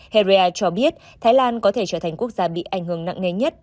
heria cho biết thái lan có thể trở thành quốc gia bị ảnh hưởng nặng ngay nhất